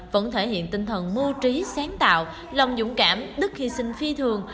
vẫn thể hiện tinh thần mưu trí sáng tạo lòng dũng cảm đức hy sinh phi thường